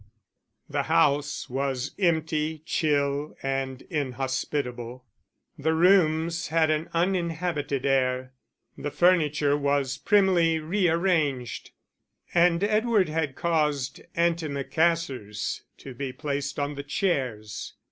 The house was empty, chill, and inhospitable; the rooms had an uninhabited air, the furniture was primly rearranged, and Edward had caused antimacassars to be placed on the chairs.